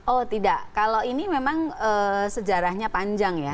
oh tidak kalau ini memang sejarahnya panjang ya